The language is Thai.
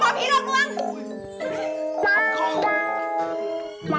เรา